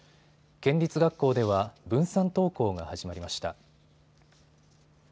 県立学校では分散登校が始まりました。